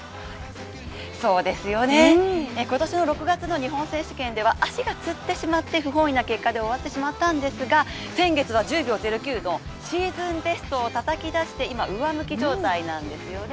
そうですよね、今年の６月の日本選手権では足がつってしまって不本意な結果に終わってしまったんですが先月は１０秒０９のシーズンベストをたたき出して今、上向き状態なんですよね。